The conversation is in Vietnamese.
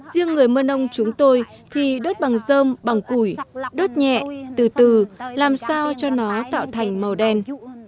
riêng người mơn ông chúng tôi thì đốt bằng dơm bằng củi đốt nhẹ từ từ làm sao cho nó tạo thành màu đen